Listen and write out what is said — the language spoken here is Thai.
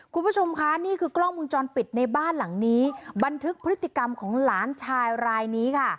คุณผู้ชมคะนี่คือกล้องมุมจรปิดในบ้านหลังนี้บันทึกพฤติกรรมของหลานชายรายนี้ค่ะ